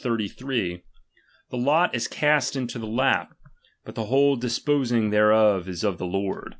33 : The lot is cast into the lap, but the whole disposing thereof is of the Lord.